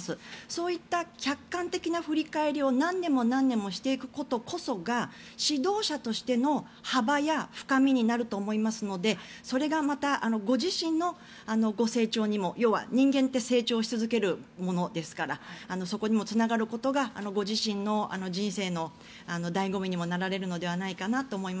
そういった客観的な振り返りを何年もしていくことこそが指導者としての幅や深みになると思いますのでそれがまたご自身のご成長にも要は人間って成長し続けるものですからそこにもつながることがご自身の人生の醍醐味にもなられるのではないかなと思います。